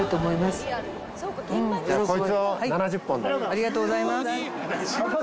ありがとうございます。